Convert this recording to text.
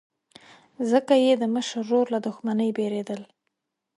ځکه یې د مشر ورور له دښمنۍ بېرېدل.